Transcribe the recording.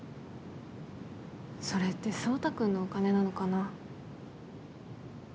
それって壮太君のお金なのかな。